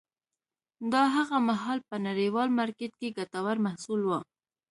دا هغه مهال په نړیوال مارکېټ کې ګټور محصول و